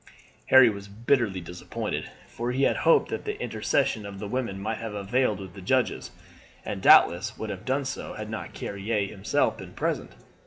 Harry was bitterly disappointed, for he had hoped that the intercession of the women might have availed with the judges, and doubtless would have done so had not Carrier himself been present.